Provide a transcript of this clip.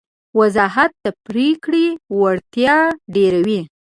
وضاحت د پرېکړې وړتیا ډېروي.